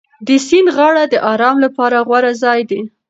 د سیند غاړه د ارام لپاره غوره ځای دی.